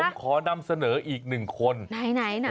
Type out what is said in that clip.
ผมขอนำเสนออีกหนึ่งคนไหนน่ะ